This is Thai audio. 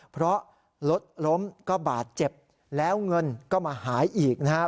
เพราะรถล้มก็บาดเจ็บแล้วเงินก็มาหายอีกนะครับ